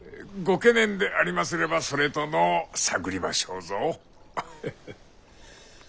ご懸念でありますればそれとのう探りましょうぞ。フッフ。